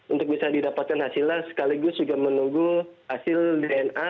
untuk bisa didapatkan hasilnya sekaligus juga menunggu hasil dna